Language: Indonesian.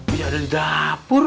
bisa ada di dapur